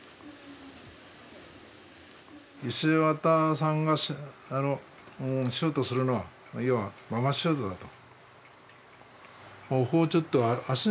石渡さんがシュートするのは要はママシュートだと。